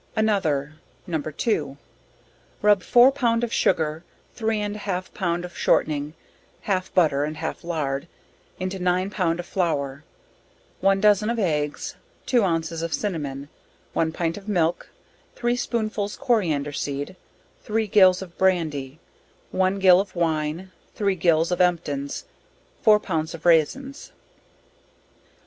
Another. No. 2. Rub 4 pound of sugar, 3 and a half pound of shortning, (half butter and half lard) into 9 pound of flour, 1 dozen of eggs, 2 ounces of cinnamon, 1 pint of milk, 3 spoonfuls coriander seed, 3 gills of brandy, 1 gill of wine, 3 gills of emptins, 4 pounds of raisins.